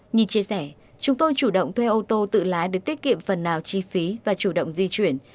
nhìn chia sẻ chúng tôi chủ động thuê ô tô tự lái để tiết kiệm phần nào chi phí và chủ động di chuyển